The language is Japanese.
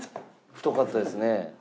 太かったですね。